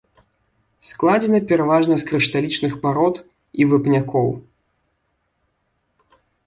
Складзена пераважна з крышталічных парод і вапнякоў.